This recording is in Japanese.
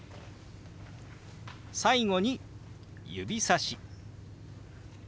最後に指さし。